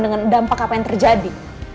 dan ngelampakan sama yang terjadi